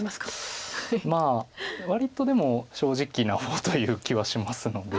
まあ割とでも正直な方という気はしますので。